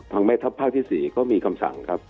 แม่ทัพภาคที่๔ก็มีคำสั่งครับ